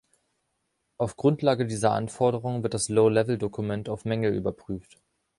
Auf Grundlage dieser Anforderung wird das „Low-Level“-Dokument auf Mängel überprüft.